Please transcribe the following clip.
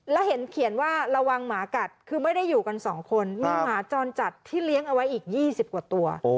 แล้วเห็นเขียนว่าระวังหมากัดคือไม่ได้อยู่กันสองคนมีหมาจรจัดที่เลี้ยงเอาไว้อีก๒๐กว่าตัว